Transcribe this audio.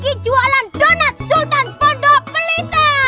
kiki jualan donut sultan pondok pelita